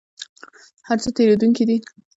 هر څه تیریدونکي دي؟